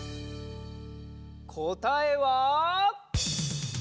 こたえは。